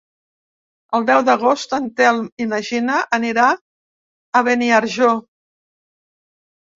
El deu d'agost en Telm i na Gina aniran a Beniarjó.